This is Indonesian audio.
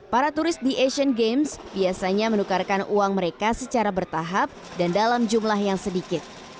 para turis di asian games biasanya menukarkan uang mereka secara bertahap dan dalam jumlah yang sedikit